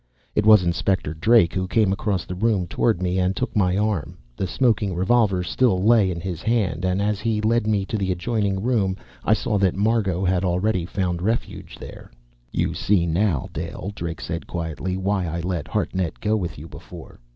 It was Inspector Drake who came across the room toward me, and took my arm. The smoking revolver still lay in his hand, and as he led me into the adjoining room, I saw that Margot had already found refuge there. "You see now, Dale," Drake said quietly, "why I let Hartnett go with you before?